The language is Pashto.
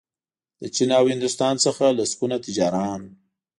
له چین او هندوستان څخه لسګونه تجاران